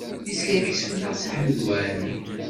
Yeskerkes fell-aɣ Si Ḥmed Waɛli.